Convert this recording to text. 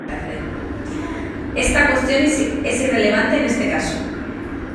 Esta cuestión es irrelevante en este caso.